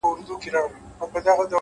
هوښیار انسان له وخت نه دوست جوړوي؛